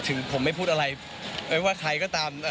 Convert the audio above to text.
ถึงผมไม่พูดอะไรว่าใครก็ตาม